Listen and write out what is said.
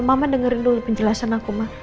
ma ma dengerin dulu penjelasan aku ma